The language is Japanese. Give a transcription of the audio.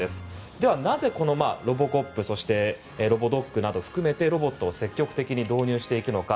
ではなぜロボコップそしてロボドッグなどを含めてロボットを積極的に導入していくのか。